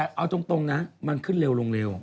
เอาตรงนั้นมันขึ้นเร็ว